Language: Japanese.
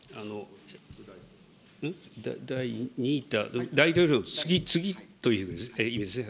第２位って、大統領の次、次という意味ですね。